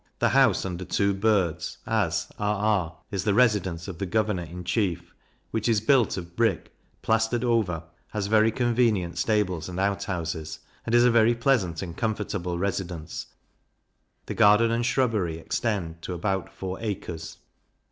the house under two birds, as r r, is the Residence of the Governor in Chief, which is built of brick, plaistered over; has very convenient stables and outhouses, and is a very pleasant and comfortable residence; the garden and shrubbery extend to about four acres.